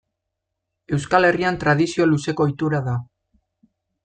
Euskal Herrian tradizio luzeko ohitura da.